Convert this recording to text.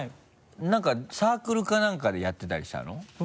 なんかサークルかなんかでやってたりしたの？